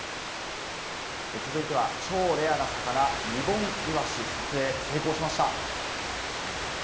続いては超レアな魚、リボンイワシ撮影成功しました。